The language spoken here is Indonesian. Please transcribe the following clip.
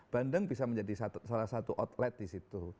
bandeng bisa menjadi salah satu outlet di situ